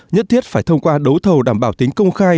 nhất thiết phải thông qua đấu thầu đảm bảo tính công khai